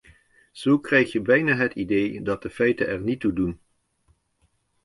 Zo krijg je bijna het idee dat de feiten er niet toe doen.